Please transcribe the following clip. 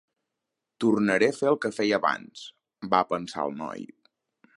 "Tornaré a fer el que feia abans", va pensar el noi.